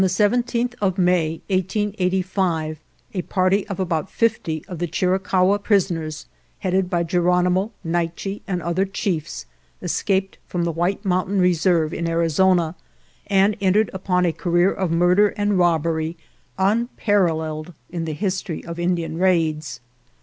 " On the 17th of May, 1885, a party of about fifty of the Chiricahua prisoners, 161 GERONIMO headed by Geronimo, Naiche, and other chiefs, escaped from the White Mountain Reserve, in Arizona, and entered upon a career of murder and robbery unparalleled in the history of Indian raids.